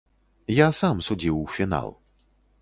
Я сам судзіў фінал.